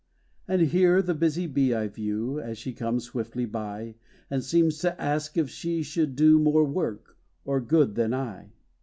And here the busy bee I view, As she comes swiftly by, And seems to ask, if she should do More work, or good than I.